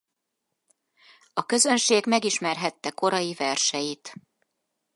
A közönség megismerhette korai verseit.